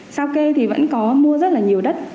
sao kê thì vẫn có mua rất là nhiều đất